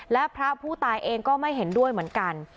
และพระผู้ตายเองก็ไม่เห็นด้วยเหมือนกัน